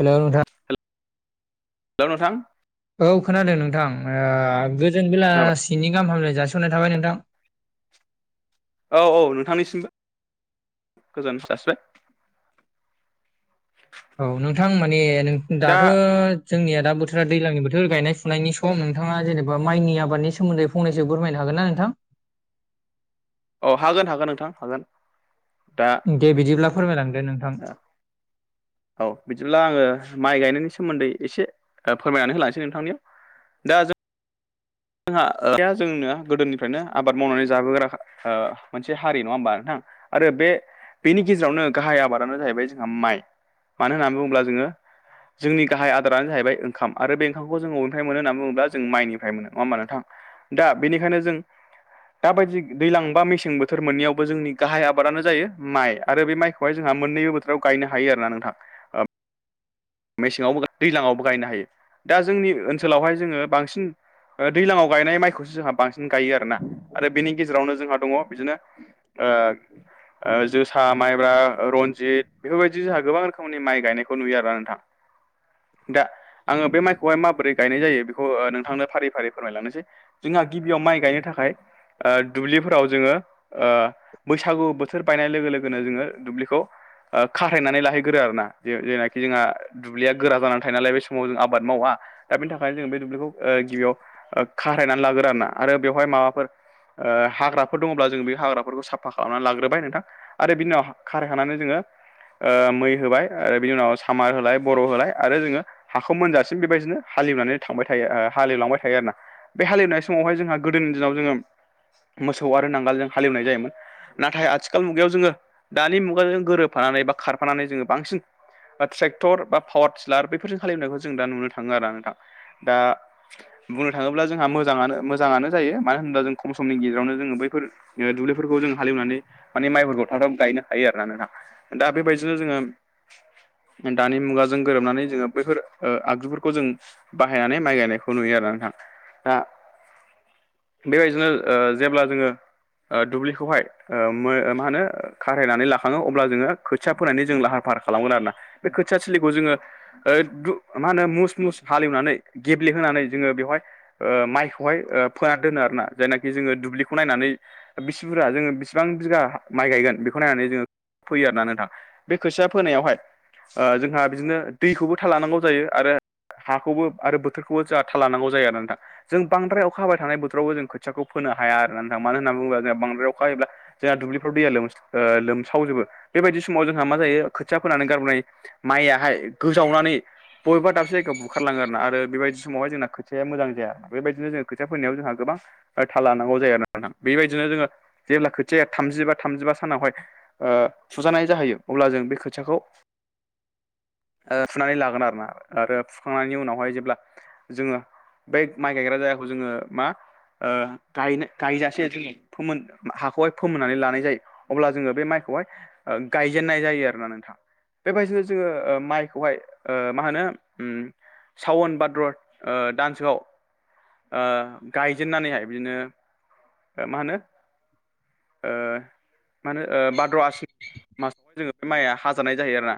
हेल नोंथां हेल' नोंथां औ खोनादों नोंथां ओ गोजोन खोनाबाय बेलासिनि गाहाम हामलाय जासिननाय थाबाय नोंथां औ औ नोंथांनिसिमबो गोजोन जासिबाय औ नोंथां माने दा दाथ' जोंनिया दा बोथोरा दैलांनि बोथोर गायनाय फुनायनि सम नोंथाङा जेनेबा माइनि आबादनि सोमोन्दै फंनैसो फोरमायनो हागोन ना नोंथां? अ हागोन हागोन नोंथां हागोन दा दे बिदिब्ला फोरमायलांदो नों। औ। औ बिदिब्ला आङो माइ गायनायनि सोमोन्दै एसे ओ फोरमायनानै होलांसै नोंथांनियाव। दा जों जोंहा ओ जोंनो गोदोनिफ्रायनो आबाद मावनानै जाबोग्राखा ओ मोनसे हारि नङा होमबा नोंथां। आरो बे बेनि गेजेरावनो गाहाइ आबादानो जाहैबाय जोंहा माइ। मानो होनना बुङोब्ला जोङो जोंनि गाहाइ आदारानो जाहैबाय ओंखाम आरो बे ओंखामखौ जों अबेनिफ्राय मोनो होननानै बुङोब्ला जों माइनिफ्राय मोनो। नङा होमबा नोंथां दा बेनिखायनो जों दाबायदि दैलां बा मेसें बोथोर मोननैयावबो जोंनि गाहाइ आबादानो जायो माइ आरो बे माइखौ खौहाय जोंहा मोननैबो बोथोराव गायनो हायो आरोना नोंथां। मेसेङावबो गाइयो दैज्लाङावबो गायनो हायो दा जोंनि ओनसोलावहाय जोङो बांसिन ओ दैलाङाव गायनाय माइखौसो जोंहा बांसिन गाइयो आर ना आरो बेनि गेजेरावनो जोंहा दङ बिदिनो ओ ओ जोसा माइब्रा रनजित बेफोरबायदि जोंहा गोबां रोखोमनि माइ गायनायखौ नुयो आरोना नोंथां। दा आङो बे माइखौहाय माबोरै गायनाय जायो बेखौ ओ नोंथांनो फारि फारि फोरमायलांनोसै। जोंहा गिबियाव माइ गायनो थाखाय ओ दुब्लिफोराव जोङो ओ बैसागु बोथोर बायनाय लोगो लोगोनो जोङो दुब्लिखौ ओ खारहायनानै लाहैगोरो आरोना जे जेनाखि जोंहा दुब्लिया गोरा जानानै थायो नालाय बे समाव जों आबाद मावा दा बेनि थाखायनो जों बे दुब्लिखौ ओ गिबियाव खारहायनानै लागोरो आरोना आरो बेवहाय माबाफोर ओ हाग्राफोर दङब्ला जों बे हाग्राफोरखौ साबफा खालामनानै लाग्रोबाय नोंथां। आरो बिनि उनाव खारायखांनानै जोङो ओ मै होबाय आरो बिनि उनाव सामार होलाय बर' होलाय आरो जोङो हाखौ मोनजासिम बेबायदिनो हालेवनानै थांबाय थायो ओ हालेवलांबाय थायो आरोना। बे हालेवनाय समावहाय जोंहा गोदोनि दिनाव जोङो मोसौ आरो नांगोलजों हालेवनाय जायोमोन। नाथाय आथिखाल मुगायाव जोङो दानि मुगाजों गोरोबफानानै बा खारफानानै जोङो बांसिन बा ट्रेक्टर बा पावार टिलार बेफोरजों हालेवनायखौ जों दा नुनो थाङो आरो नोंथां दा बुंनो थाङोब्ला जोंहा मोजाङानो मोजाङानो जायो मानो होनोब्ला जों खम समनि गेजेरावनो जोङो बैफोर ओ दुब्लिफोरखौ जों हालेवनानै माने माइफोरखौ थाब थाब गायनो हायो आरो ना नोंथां दा बेबायदिनो जोङो दानि मुगाजों गोरोबनानै जोङो बैफोर ओ आगजुफोरखौ जों बाहायनानै माइ गायनायखौ नुयो आरोना नोंथां दा बेबायदिनो ओ जेब्ला जोङो ओ दुब्लिखौहाय ओ मो ओ मा होनो खारहायनानै लाखाङो अब्ला जोङो खोथिया फोनायनि जों लाहार फाहार खालामगोन आरो ना। बे खोथिया थिलिखौ जोङो ओ दु मा होनो मुस मुस हालेवनानै गेब्लेहोनानै जोङो बेवहाय ओ माइखौहाय ओ फोना दोनो आरो ना जायनाखि जोङो दुब्लिखौ नायनानै बिसि बुरजा जोङो बिसिबां बिगा माइ गायगोन बेखौ नायनानै जोङो फोयो आरोना नोंथां बे खोथिया फोनायावहाय ओ जोंहा बिदिनो दैखौबो थाल लानांगौ जायो आरो हाखौबो आरो बोथोरखौबो जोहा थाल लानांगौ जायो आरोना नोंथां। जों बांद्राय अखा हाबाय थानाय बोथोरावबो जों खोथियाखौ फोनो हाया आरोना नोंथां मानो होनना बुंबा जोंहा बांद्राय अखा हायोब्ला जोहा दुब्लिफ्राव दैया लोम ओ लोमसावजोबो बेबायदि समाव जोंहा मा जायो खोथिया फोनानै गारबोनाय माइयाहाय गोजावनानै बबेबा दाबसे जायगायाव बुखारलाङो आरोना आरो बेबायदि समावहाय जोंना खोथायाया मोजां जाया बेबायदिनो जों खोथिया फोनायाव जोंहा गोबां थाल लानांगौ जायो आरोना नोंथां बेबायदिनो जोङो जेब्ला खोथियाया थामजिबा थामजिबा सानावहाय ओ फुजानाय जाहैयो अब्ला जों बे खोथियाखौ ओ फुनानै लागोन आरोना आरो फुखांनायनि उनावहाय जेब्ला जोङो बे माइ गायग्रा जायगाखौ जोङो मा ओ गायजासे जोङो फोमोन हाखौहाय फोमोननानै लानाय जायो। अब्ला जोङो बे माइखौहाय गायजेननाय जायो आरोना नोंथां। बेबायदिनो जोङो माइखौहाय ओ मा होनो सावन भाद्रर दानसोयाव गायजेननानैहाय बिदिनो मा होनो ओ मा होनो भाद्र' आसिनि मासावहाय जोङो बे माइया हाजानाय जाहैयै आरोना?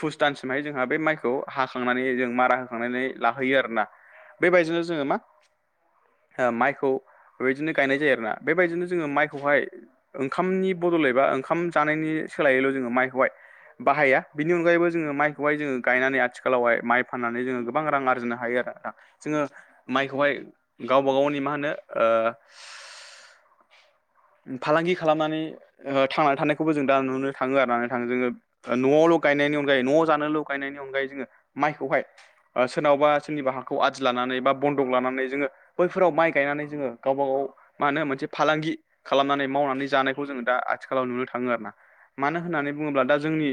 पुस दानसिमहाय जोंहा बे माइखौ हाखांनानै जों मारा होखांनानै लाबोयो आरोना। बेबायदिनो जोङो मा माइखौ बेदिनो गायनाय जायो आरोना बेबायदिनो जोङो माइखौहाय ओंखामनि बदलै बा ओंखाम जानायनि सोलायैल' जोङो माइखौहाय बाहाया बिनि अनगायैबो जोङो माइखौहाय जोङो गायनानै आथिखालावहाय माइ फाननानै जोङो गोबां रां आरजिनो हायो आरोना। जोङो माइखौहाय गावबा गावनि मा होनो ओ [inaudible] फालांगि खालामनानै थांनानै थानायखौबो जों दा नुनो थाङो आरोना। थां जोङो न'आवल' गायनायनि अनगायै न'आव जानो ल' गायनायनि अनगायै जोङो माइखौहाय सोरनावबा सोरनिब हाखौ आदि लानानै बा बन्दक लानानै जोङो बैफोराव माइ गायनानै जोङो गावबा गाव मा होनो मोनसे फालांगि खालामनानै मावनानै जानायखौ जोङो दा आथिखालाव नुनो थाङो आरो ना मानो होननानै बुङोब्ला दा जोंनि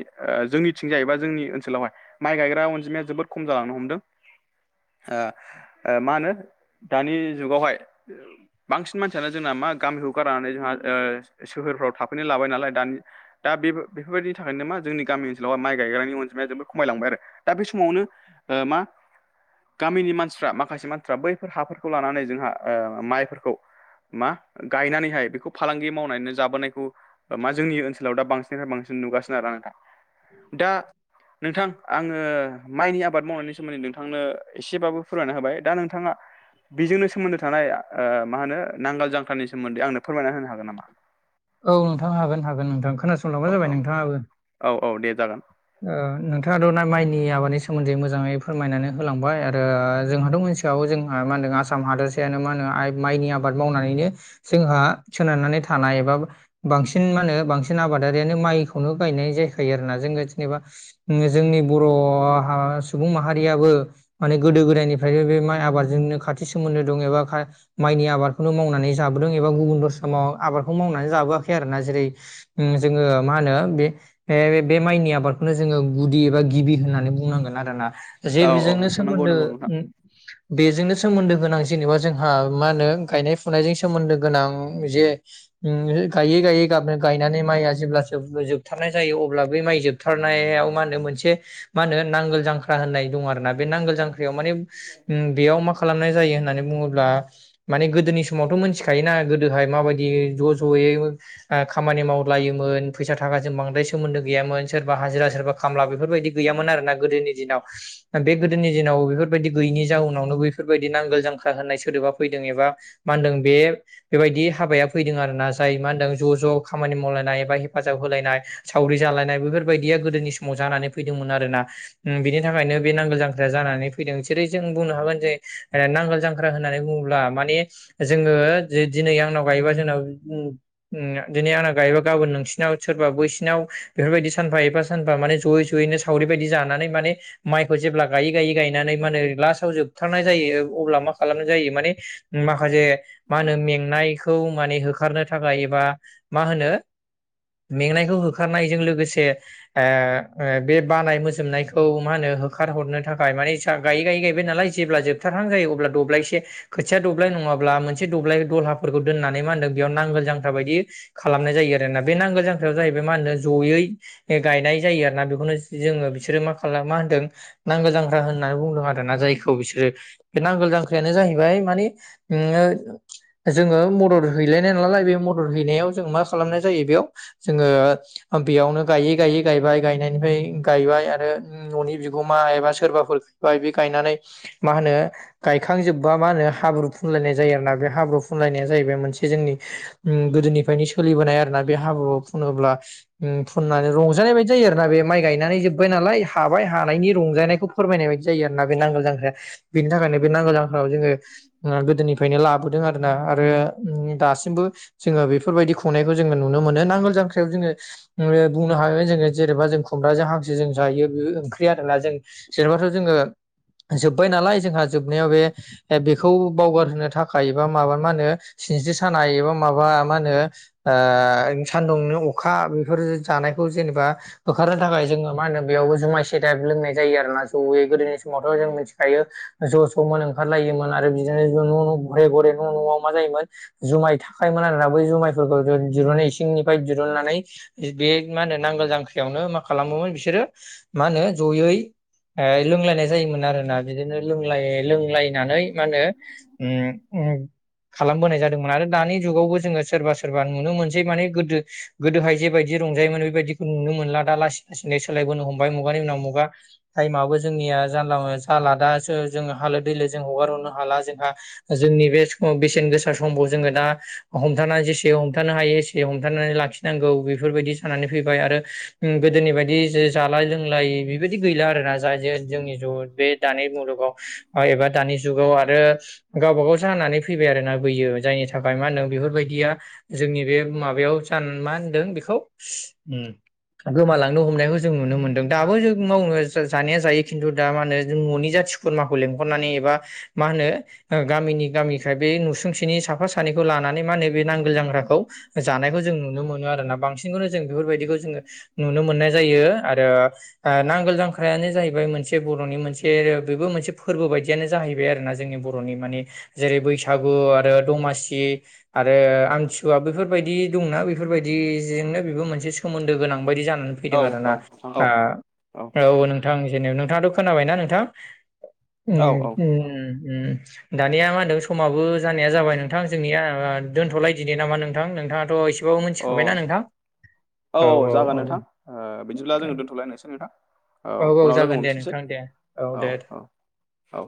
जोंनिथिंजायबा जोंनि ओनसोलावहाय माइ गायग्रा अनजिमाया जोबोद खम जालांनो हमदों। मा होनो दानि जुगावहाय बांसिन मानसियानो जोंना मा गामिखौ गारनानै जोंहा ओ सोहोरफ्राव थाफैनो लाबाय नालाय दानि दा बेबो बेफोरबायदिनि थाखायनो मा जोंनि गामि ओनसोलाव माइ गायग्रानि अनजिमाया जोबोद खमायलांबाय आरो दा बे समावनो ओ मा गामिनि मानसिफ्रा माखासे मानसिफ्रा बैफोर हाफोरखौ लानानै जोंहा माइफोरखौ मा गायनानैहाय बेखौ फालांगि मावनानैनो जाबोनायखौ मा जोंनि ओनसोलाव दा बांसिन निफ्राय बसिन नुगासिनो आरो नोंथां। दा नोंथां आङो माइनि आबाद मावनायनि सोमोन्दै नोंथां थांनो एसेबाबो फोरमायना होबाय दा नोंथाङा बेजोंनो सोमोन्दो थानाय मा होनो नांगोल जांखालनि सोमोन्दै आंनो फोरमायना होनो हागोन नामा? औ नोंथां हागोन हागोन नोंथां खोनासंलांबानो औ जाबाय औ नोंथाङाबो औ औ दे जागोन ओ नोंथाङाथ' ना माइनि आबादनि सोमोन्दै मोजाङै फोरमायनानै होलांबाय आरो जोंहाथ' मोनसे सिगाङाव जोंहा मा होनो आसाम हादोरसायानो मा होनो माइनि आबाद मावनानैनो जोंहा सोनारनानै थानाय एबा बांसिन मा होनो बांसिन आबादारियानो माइखौनो गायनाय जायाखायो आरोना जोङो जेनेबा जोंनि बर' सुबुं माहारियाबो माने गोदो गोदायनिफ्रायबो बे माइ आबादजोंनो खाथि सोमोन्दो दं एबा माइनि आबादखौनो मावनानै जाबोदों एबा गुबुन दसाव आबादखौ मावनानै जाबोआखै आरोना जेरै जोङो मा होनो बे बे बे माइनि आबादखौनो जोङो गुदि एबा गिबि होननानै बुंनांगोन आरोना। जे औ औ बेजोंनो नोंथां नंगौ सोमोन्दो नंगौ नोंथां बेजोंनो सोमोन्दो गोनां जेनेबा जोंहा मा होनो गायनाय फुनायजों सोमोन्दो गोनां जे [inaudible] गायै गायै गाबनो गायनानै माइआ जेब्ला जोबथारनाय जायो अब्ला बै माइ जोबथारनायाव मा होनो मोनसे मा होनो नांगोल जांख्रा होननाय दं आरो ना बे नांगोल जांख्रायाव माने बेयाव मा खालामनाय जायो होननानै बुङोब्ला? माने गोदोनि समावथ' मिथिखायोना गोदोहाय माबायदि ज' ज'यै आं खामानि मावलायोमोन फैसा थाखाजों बांद्राय सोमोन्दो गैयामोन सोरबा हाजिरा सोरबा खामला बेफोरबायदि गैयामोन आरोना गोदोनि दिनाव। दा बे गोदोनि दिनाव बेफोरबायदि गैयिनि जाउनावनो बैफोरबायदि नांगोल जांखा होननाय सोदोबा फैदों एबा मा होनदों बे बेबायदि हाबाया फैदों आरोना। जाय मा होनदों ज' ज' खामानि मावलायनाय एबा हेफाजाब होलायनाय सावरि जालायनाय बेफोरबायदिया गोदोनि समाव जानानै फैदोंमोन आरोना। उम बिनि थाखायनो बे नांगोल जांख्राया जानानै फैदों। जेरै जों बुंनो हागोन जे नांगोल जां ख्रा होननानै बुङोब्ला माने जोङो दि दिनै आंनाव गायोबा जोंनाव उम दिनै आंना गायोबा गाबोन नोंसिनाव सोरबा बैसिनाव बेफोरबायदि सानफा एफा सानबा माने जयै जयैनो सावरि बायदि जानानै माने माइखौ जेब्ला गायै गायै गायनानै मानो लास्टाव जोबथारनाय जायो अब्ला मा खालामनाय जायो माने माखासे मा होनो मेंनायखौ माने हो खारनो थाखाय एबा मा होनो मेंनायखौ होखारनायजों लोगोसे ओ ओ बे बानाय मोजोमनायखौ मा होनो होखारहरनो थाखाय मानि दा गायै गायै गायबाय नालाय जेब्ला जोबथारहां जायो अब्ला दब्लाय एसे खोथिया दब्लाय नङाब्ला मोनसे दब्लाय दलहाफोरखौ दोननानै मा होनदों बेयाव नांगोल जांख्रा बायदि खालामनाय जायो आरोना। बे नांगोल जांख्रायाव जाहैबाय मा होनो जयै गायनाय जायो आरो ना। बेखौनो जोङो बिसोरो मा खालाममा होनदों नांगोल जांख्रा होननानै बुंदों आरोना जायखौ बिसोरो। बे नांगोल जांख्रियानो जाहैबाय मानि नोङो जोङो मदद हैलायनाय नालाय बे मदद हैनायाव जों मा खालामनाय जायो बेयाव जोङो बेयावनो गायै गायै गायबाय गायनायनिफ्राय गायबाय आरो न'नि बिगोमा एबा सोरबाफोर [unintelligible] बे गायनानै मा होनो गायखांजोबबा मा होनो हाब्रु फुनलायनाय जायो आरोना। बे हाब्रु फुनलायनाया जाहैबाय मोनसे जोंनि उम गोदोनिफ्रायनो सोलिबोनाय आरोना बे हाब्रु फुनोब्ला उम फुननानै रंजानाय बाय दि जायो आरोना बे माइ गायनानै जोब्बाय नालाय हाबाय हानायनि रंजानायखौ फोरमायनाय बायदि जायो आरोना बे नांगोल जांख्राया। बेनि थाखायनो बे नांगोल जांख्राखौ जोङो ओ गोदोनिफ्रायनो लाबोदों आरोना आरो उम दासिमबो जोङो बेफोरबायदि खुंनायखौ जोङो नुनो मोनो। नांगोल जांख्रायाव जोङो ओ बुंनो हागोन जोङो जेनोबा जों खुमबाजों हांसो जों जायो बे ओंख्रि आरोना जों जेनोबाथ' जोङो जोब्बाय नालाय जोंहा जोबनायाव बे बेखौ बावगार होनोनो थाखाय बा माबा मा होनो सिनस्रि सानाय एबा माबा मा होनो ओ सान्दुंनो अखा बेफोर जानायखौ जेनोबा होखारनो थाखाय जोङो मा होनो बेयावबो जुमाय सेरेब लोंनाय जायो आरोना जयै गोदोनि समावथ' जों मिथिखायो ज' ज' मोन ओंखारलायोमोन आरो बिदिनो न' न' घरे घरे न' न'आव मा जायोमोन जुमाय थाखायोमोन आरोना बै जुमायफोरखौ दि इसिंनिफ्राय दिरुननानै बे मा होनो नांगोल जांख्रायावनो मा खालामोमोन बिसोरो मा होनो जयै ओ लोंलायनाय जायोमोन आरोना। बिदिनो लोंलाय लोंलायनानै मा होनो ओ उम खालामबोनाय जादोंमोन आरो दानि जुगावबो जोङो सोरबा सोरबा नुनो मोनसै माने गोदो गोदोहाय जेबायदि रंजायोमोन बेबायदिखौ नुनो मोनला दा लासै लासैनो सोलायबोनो हमबाय मुगानि उनाव मुगा। टाइमाबो जोंनिया जानला [unintelligible] हालादा जों जों हालो दैलो जों हगारनो हाला जोंहा जोंनि बे सम बेसेन गो सा समखौ जोङो दा हमथानानै जेसे हमथानो हायो एसे हमथानानै लाखिनांगौ बेफोरबायदि जानानै फैबाय आरो ओम गोदोनि बायदि जे जालाय लोंलाय बेबायदि गैला आरोना। जाय जे जोंनि जु बे दानि मुलुगाव एबा दानि जुगाव आरो गावबागाव जानानै फैबाय आरोना बैयो जायनि थाखाय मा होनदों बेफोरबायदिया जोंनि बे माबायाव जान मा होनदों बेखौ उम गोमालांनो हमनायखौ जों नुनो मोनदों दाबो जों मावनो जानाया जायो खिन्थु दा मा होनो जों न'नि जाथिखौ खुरमाखौ लेंहरनानै एबा मा होनो गामिनि गामिखाय बे नुसुंसेनि साफा सा सानिखौ लानानै मा होनो बे नांगोल जांग्राखौ जानायखौ जों नुनो मोनो आरो ना बांसिनखौनो जों बेफोरबायदिखौ जोङो नुनो मोननाय जायो आरो नांगोल जां ख्रायानो जाहैबाय मोनसे बर'नि मोनसे बेबो मोनसे फोरबो बायदियानो जाहैबाय आरोना जोंनि बर'नि माने जेरै बैसागु आरो दमासि आरो आमथिसुवा बेफोरबायदि दंना बेफोरबायदिजोंनो बेबो मोनसे सोमोन्दो गोनां बायदि जानानै फै औ फैदों आरोना औ औ औ आ औ नों नोंथां जेनेा नोंथाङाथ' खोनाबायना नोंथां उम औ उम दानिया मा होनदों समाबो जानाया जाबाय नोंथां जोंनिया दोनथ'लायदिनो नामा नोंथां नोंथाङाथ' एसे अ मिथिखाबाय ना नोंथां औ जागोन नोंथां बिदिब्ला औ जोङो दोन्थ'लायनोसै नोंथां औ उनाव लोगो जागोन दे मोनफिनसै नोंथां दे औ दे औ औ